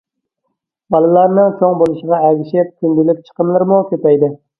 بالىلارنىڭ چوڭ بولۇشىغا ئەگىشىپ كۈندىلىك چىقىملىرىمۇ كۆپەيدى.